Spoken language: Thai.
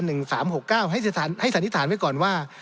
ให้สันนิษฐานไว้ก่อนว่า